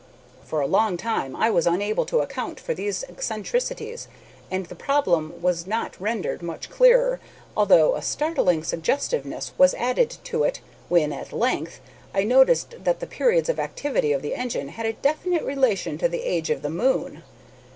"For a long time I was unable to account for these eccentricities, and the problem was not rendered much clearer, although a startling suggestiveness was added to it, when, at length, I noticed that the periods of activity of the engine had a definite relation to the age of the moon.